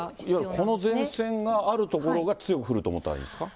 いわゆるこの前線がある所が、強く降ると思ったらいいですか。